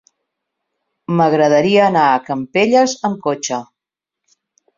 M'agradaria anar a Campelles amb cotxe.